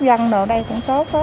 còn đồ ở đây cũng tốt đó